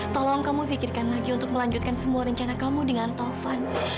tolong kamu pikirkan lagi untuk melanjutkan semua rencana kamu dengan taufan